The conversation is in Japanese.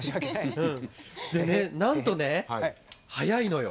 でねなんとね早いのよ。